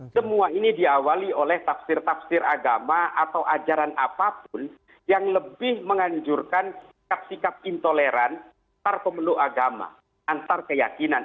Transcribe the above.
semua ini diawali oleh tafsir tafsir agama atau ajaran apapun yang lebih menganjurkan sikap sikap intoleran antar pemeluk agama antar keyakinan